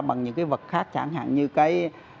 cái vật khác chẳng hạn như cái